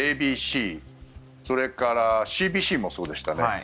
それからＣＢＣもそうでしたね。